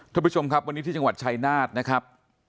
ท่านผู้ชมครับวันนี้ที่จังหวัดชายนาฏนะครับ